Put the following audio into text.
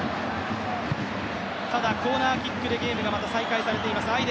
ただ、コーナーキックでまたゲームが再開されています。